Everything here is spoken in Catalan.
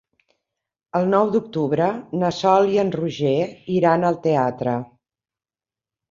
El nou d'octubre na Sol i en Roger iran al teatre.